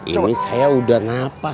ini saya sudah nafas